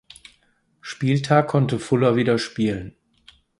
Spieltag konnte Fuller wieder spielen.